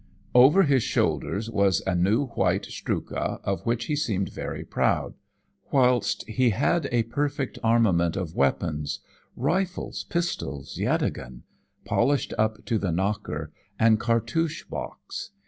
Over his shoulders was a new white strookah, of which he seemed very proud; whilst he had a perfect armament of weapons rifles, pistols, yatagan polished up to the knocker and cartouche box.